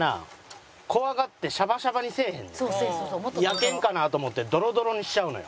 焼けんかなと思ってドロドロにしちゃうのよ。